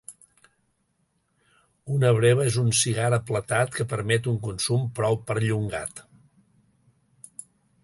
Una breva és un cigar aplatat que permet un consum prou perllongat.